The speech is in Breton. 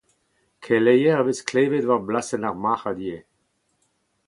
Keleier a vez klevet war blasenn ar marc’had ivez.